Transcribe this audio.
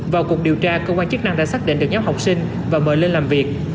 vào cuộc điều tra cơ quan chức năng đã xác định được nhóm học sinh và mời lên làm việc